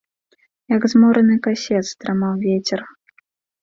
Як змораны касец, драмаў вецер.